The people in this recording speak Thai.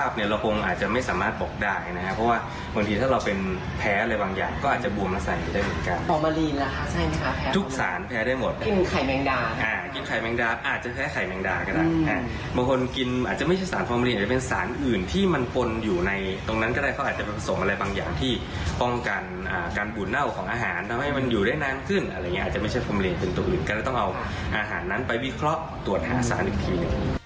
อาจจะไม่ใช่ความเหมือนตัวอื่นก็ต้องเอาอาหารนั้นไปวิเคราะห์ตรวจหาสารอีกที